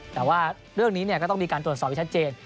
แต่ว่าเรื่องนี้ก็ต้องมีการตรวจสอบให้ชัดเจน